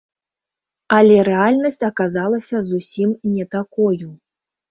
Але рэальнасць аказалася зусім не такою.